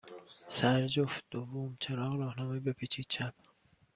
سر جفت دوم چراغ راهنمایی، بپیچید چپ.